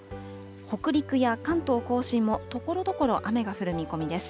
北陸や関東甲信もところどころ雨が降る見込みです。